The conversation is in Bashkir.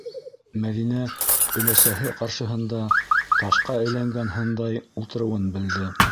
- Мәҙинә өләсәһе ҡаршыһында ташҡа әйләнгән һындай ултырыуын белде.